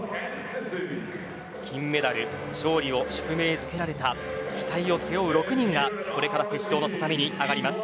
金メダル勝利の宿命づけられた期待を背負う６人がこれから決勝の畳にあがります。